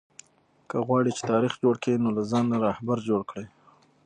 که غواړى، چي تاریخ جوړ کئ؛ نو له ځانه ښه راهبر جوړ کئ!